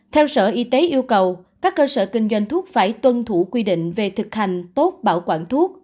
theo sở y tế yêu cầu các cơ sở kinh doanh thuốc phải tuân thủ quy định về thực hành tốt bảo quản thuốc